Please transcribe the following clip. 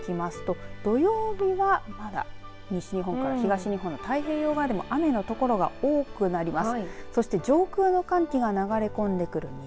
さあ、この先の予報を見ていきますと土曜日は、まだ西日本から東日本の太平洋側でも雨の所が多くなります。